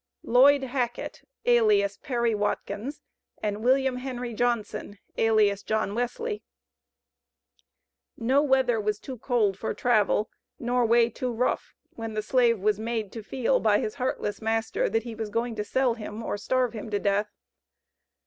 LLOYD HACKET, alias Perry Watkins and WILLIAM HENRY JOHNSON, alias John Wesley. No weather was too cold for travel, nor way too rough, when the slave was made to feel by his heartless master, that he was going to sell him or starve him to death.